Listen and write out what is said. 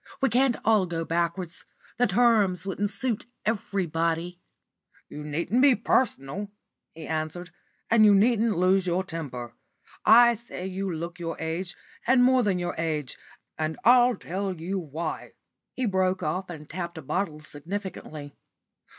"We can't all go backwards. The terms wouldn't suit everybody." "You needn't be personal," he answered; "and you needn't lose your temper. I say you look your age, and more than your age; and I'll tell you why " He broke off and tapped a bottle significantly.